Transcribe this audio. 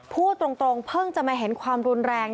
พูดตรงเพิ่งจะมาเห็นความรุนแรง